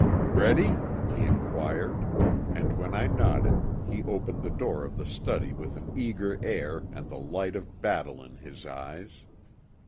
"Ready?" he inquired, and when I nodded he opened the door of the study with an eager air and the light of battle in his eyes.